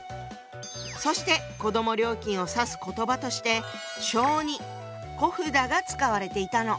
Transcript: そして子ども料金を指す言葉として小児小札が使われていたの。